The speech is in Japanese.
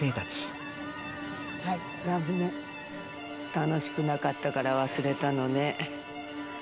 楽しくなかったから忘れたのね。